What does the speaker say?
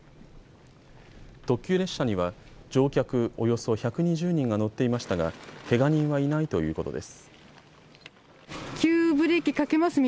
特急列車には乗客およそ１２０人が乗っていましたが、けが人はいないということです。